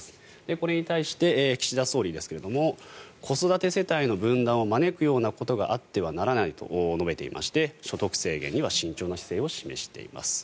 これに対して、岸田総理ですが子育て世帯の分断を招くようなことがあってはならないと述べていまして所得制限には慎重な姿勢を示しています。